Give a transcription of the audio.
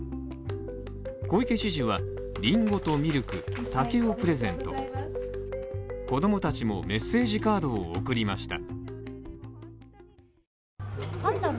小池知事はリンゴとミルク竹をプレゼント子供たちもメッセージカードを送りました。